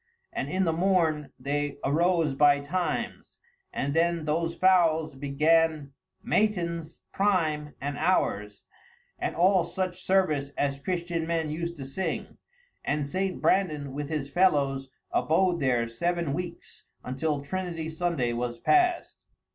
And in the morn they arose by times, and then those foules began mattyns, prime, and hours, and all such service as Christian men used to sing; and St. Brandan, with his fellows, abode there seven weeks, until Trinity Sunday was passed."